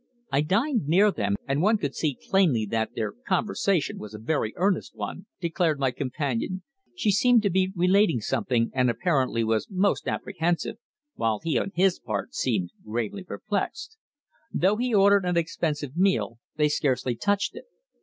"I dined near them, and one could see plainly that their conversation was a very earnest one," declared my companion. "She seemed to be relating something, and apparently was most apprehensive, while he, on his part, seemed gravely perplexed. Though he ordered an expensive meal they scarcely touched it.